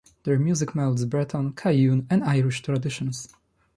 Their music melds Breton, Cajun, and Irish traditions.